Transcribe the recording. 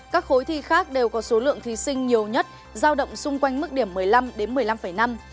các khối thi khác đều có số lượng thí sinh nhiều nhất giao động xung quanh mức điểm một mươi năm một mươi năm năm